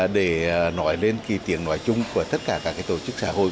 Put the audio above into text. để nói lên cái tiếng nói chung của tất cả các cái tổ chức xã hội